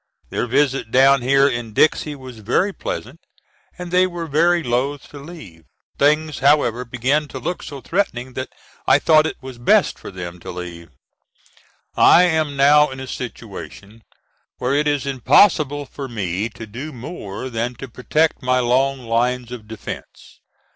Their visit down here in Dixie was very pleasant and they were very loth to leave. Things however began to look so threatening that I thought it was best for them to leave. I am now in a situation where it is impossible for me to do more than to protect my long lines of defence.